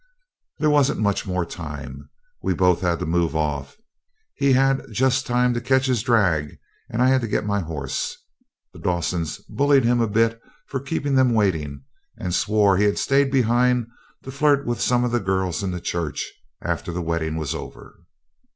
There wasn't much more time. We both had to move off. He had just time to catch his drag, and I had to get my horse. The Dawsons bullied him a bit for keeping them waiting, and swore he had stayed behind to flirt with some of the girls in the church after the wedding was over.